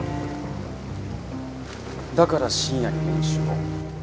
だから深夜に練習を？